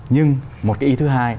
nhưng một cái ý thứ hai